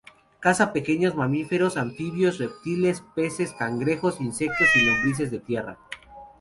Caza pequeños mamíferos, anfibios, reptiles, peces, cangrejos, insectos y lombrices de tierra.